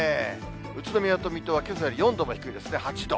宇都宮と水戸はけさより４度も低いですね、８度。